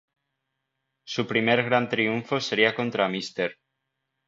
Su primer gran triunfo sería contra Mr.